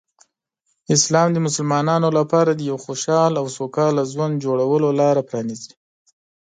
اسلام د مسلمانانو لپاره د یو خوشحال او سوکاله ژوند جوړولو لاره پرانیزي.